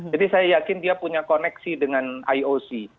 jadi saya yakin dia punya koneksi dengan ioc